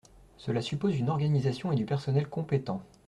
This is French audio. Cela suppose une organisation et du personnel compétent.